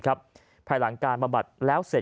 หลังการบำบัดและกดเข้าผู้มูลและทดลอง